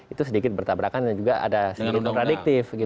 itu sedikit bertabrakan dan juga ada sedikit kontradiktif